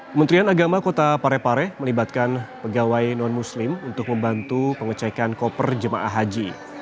kementerian agama kota parepare melibatkan pegawai non muslim untuk membantu pengecekan koper jemaah haji